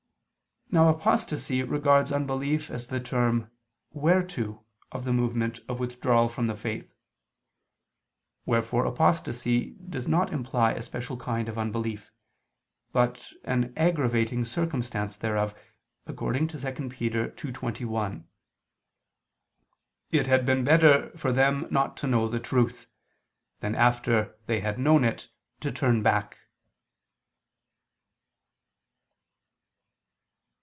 Now apostasy regards unbelief as the term whereto of the movement of withdrawal from the faith; wherefore apostasy does not imply a special kind of unbelief, but an aggravating circumstance thereof, according to 2 Pet. 2:21: "It had been better for them not to know the truth [Vulg.: 'the way of justice'], than after they had known it, to turn back."